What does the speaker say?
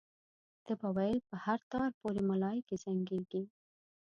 ده به ویل په هر تار پورې ملایکې زنګېږي.